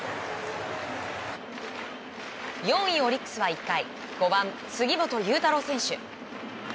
４位、オリックスは１回５番、杉本裕太郎選手。